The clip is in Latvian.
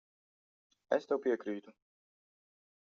Es tev piekrītu.